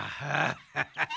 ハハハハ。